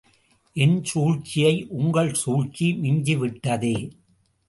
என் சூழ்ச்சியை உங்கள் சூழ்ச்சி மிஞ்சி விட்டதே!.